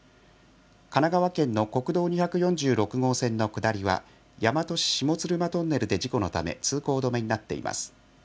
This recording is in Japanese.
神奈川県の国道２４６号線の下りは、大和市下鶴間トンネルで事故のため通行止めになっています。